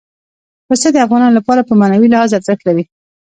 پسه د افغانانو لپاره په معنوي لحاظ ارزښت لري.